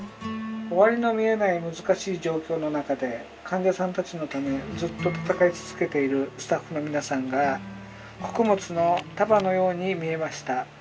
「終わりの見えない難しい状況の中で患者さんたちのためずーっと闘い続けているスタッフの皆さんが穀物の束のように見えました」。